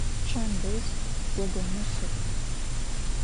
Pççem dej gogonır şıt.